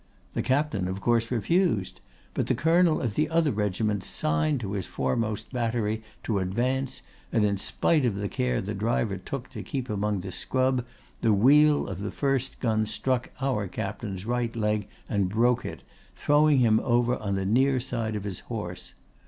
The captain, of course, refused; but the colonel of the other regiment signed to his foremost battery to advance, and in spite of the care the driver took to keep among the scrub, the wheel of the first gun struck our captain's right leg and broke it, throwing him over on the near side of his horse.